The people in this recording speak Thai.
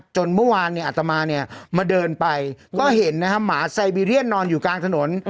จนเมื่อวานเนี่ยอัตมาเนี่ยมาเดินไปก็เห็นนะฮะหมาไซบีเรียนนอนอยู่กลางถนน